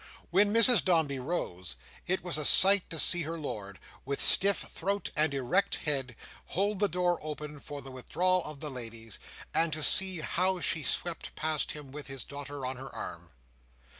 When Mrs Dombey rose, it was a sight to see her lord, with stiff throat and erect head, hold the door open for the withdrawal of the ladies; and to see how she swept past him with his daughter on her arm.